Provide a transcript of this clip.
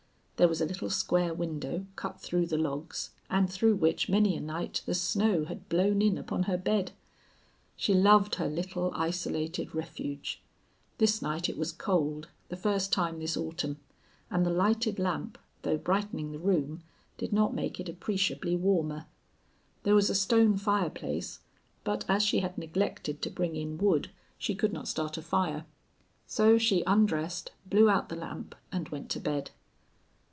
There was a little square window cut through the logs and through which many a night the snow had blown in upon her bed. She loved her little isolated refuge. This night it was cold, the first time this autumn, and the lighted lamp, though brightening the room, did not make it appreciably warmer. There was a stone fireplace, but as she had neglected to bring in wood she could not start a fire. So she undressed, blew out the lamp, and went to bed.